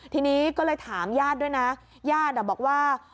ทีนี้ก็เลยถามญาติด้วยนะญาติบอกว่า